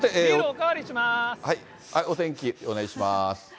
お天気お願いします。